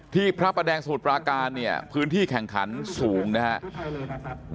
พระประแดงสมุทรปราการเนี่ยพื้นที่แข่งขันสูงนะครับ